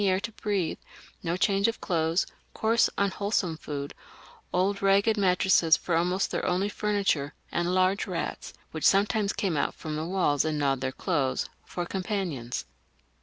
air to breathe, no change of clothes, coarse unwholesome food, old ragged mattresses for almost their only furniture, and large rats, which sometimes came out from the walls and gnawed their clothes, for companions.